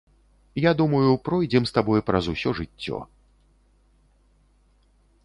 Я думаю, пройдзем з табой праз усё жыццё.